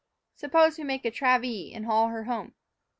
Suppose we make a travee and haul her home."